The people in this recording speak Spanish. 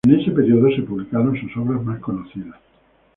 En ese periodo se publicaron sus obras más conocidas.